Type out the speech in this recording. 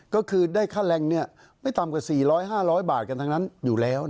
ก็คือได้ค่าแรงไม่ต่ำกว่า๔๐๐๕๐๐บาทกันทั้งนั้นอยู่แล้ว